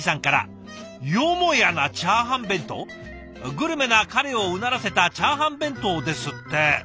「グルメな彼をうならせたチャーハン弁当」ですって。